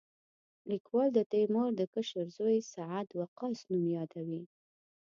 لیکوال د تیمور د کشر زوی سعد وقاص نوم یادوي.